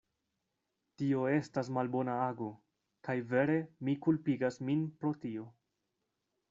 Tio estas malbona ago; kaj vere mi kulpigas min pro tio.